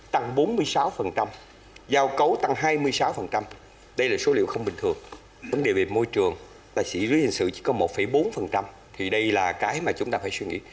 tăng bốn mươi sáu giao cấu tăng hai mươi sáu đây là số liệu không bình thường vấn đề về môi trường tài xử lý hình sự chỉ có một bốn thì đây là cái mà chúng ta phải suy nghĩ